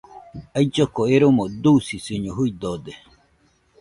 Ailloko eromo dusisiño juidode